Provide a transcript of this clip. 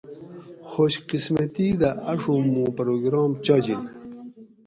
خوش قِسمتی دہ آۤڛوم مُوں پروگرام چاجِن